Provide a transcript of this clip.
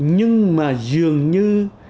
nhưng mà dường như